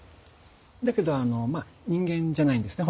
だけど人間じゃないんですね。